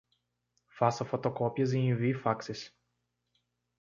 Faça fotocópias e envie faxes.